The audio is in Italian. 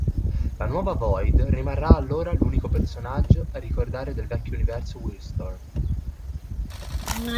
La nuova Void rimarrà allora l'unico personaggio a ricordare del vecchio universo Wildstorm.